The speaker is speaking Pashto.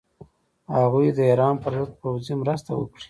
هغوی د ایران پر ضد پوځي مرسته وکړي.